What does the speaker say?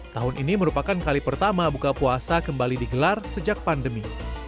tahun ini merupakan kali pertama buka puasa kembali digelar sejak pandemi